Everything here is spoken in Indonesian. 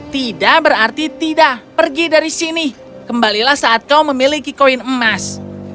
tidak berarti tidak pergi dari sini kembalilah saat kau memiliki koin emas